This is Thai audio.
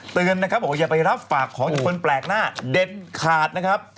เตือนว่าอย่าไปรับฝากของคนแปลกหน้าเด็ดขาด